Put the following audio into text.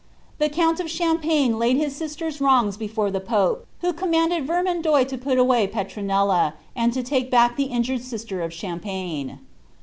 The count of Champagne laid his sister's wrongs before the pope, who commanded Vermandois to put away Petronilla, and to take back the injured sister of Champagne.